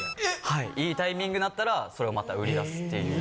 はいいいタイミングなったらそれをまた売り出すっていう。